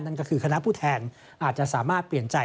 นั่นก็คือคณะผู้แทนอาจจะสามารถเปลี่ยนใจ